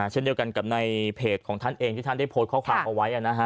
เช่นเดียวกันกับในเพจของท่านเองที่ท่านได้โพสต์ข้อความเอาไว้